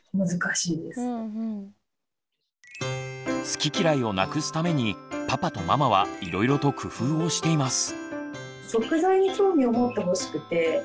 好き嫌いをなくすためにパパとママはいろいろと工夫をしています。